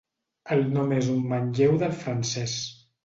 El nom és un manlleu del francès.